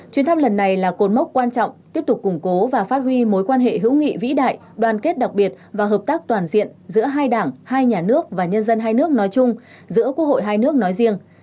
chuyến thăm lần này là cột mốc quan trọng tiếp tục củng cố và phát huy mối quan hệ hữu nghị vĩ đại đoàn kết đặc biệt và hợp tác toàn diện giữa hai đảng hai nhà nước và nhân dân hai nước nói chung giữa quốc hội hai nước nói riêng